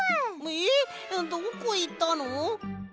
えっどこいったの！？